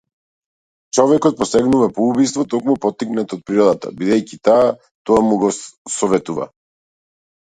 Човекот посегнува по убиство токму поттикнат од природата, бидејќи таа тоа му го советува.